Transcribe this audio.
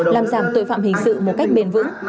làm giảm tội phạm hình sự một cách bền vững